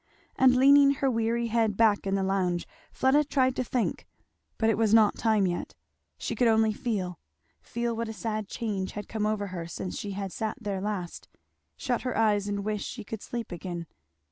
And leaning her weary head back in the lounge Fleda tried to think, but it was not time yet; she could only feel; feel what a sad change had come over her since she had sat there last; shut her eyes and wish she could sleep again.